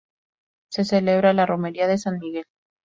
Se celebra la romería de San Miguel.